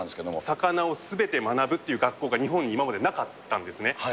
魚をすべて学ぶっていう学校が日本に今までなかったんですね。